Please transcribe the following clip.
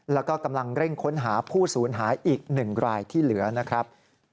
แล้วก็กำลังเร่งค้นหาผู้สูญหายอีก๑รายที่เหลือนะครับ